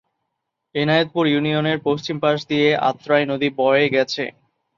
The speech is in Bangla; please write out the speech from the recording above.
এনায়েতপুর ইউনিয়নের পশ্চিম পাশ দিয়ে আত্রাই নদী বয়ে গেছে।